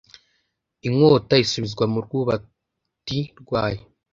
inkot isubizwa mu rwubati rwayo